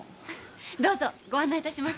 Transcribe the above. どうぞご案内いたします。